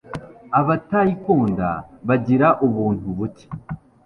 Abatayikunda bagira ubuntu buke.